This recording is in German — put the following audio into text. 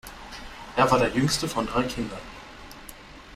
Er war der jüngste von drei Kindern.